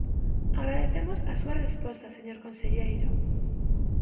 Agradecemos a súa resposta, señor conselleiro.